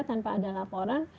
tanpa ada laporan